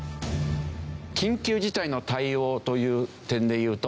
緊急事態の対応という点でいうと。